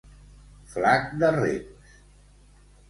Flac de rems.